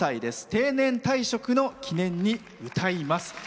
定年退職の記念に歌います。